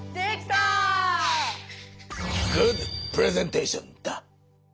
グッドプレゼンテーションだ！